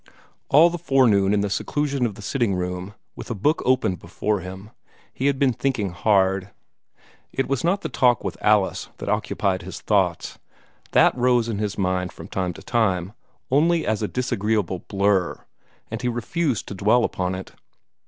All the forenoon in the seclusion of the sitting room, with a book opened before him, he had been thinking hard. It was not the talk with Alice that occupied his thoughts. That rose in his mind from time to time, only as a disagreeable blur, and he refused to dwell upon it.